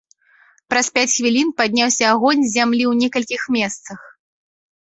Праз пяць хвілін падняўся агонь з зямлі ў некалькіх месцах.